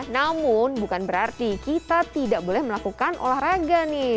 namun bukan berarti kita tidak boleh melakukan olahraga nih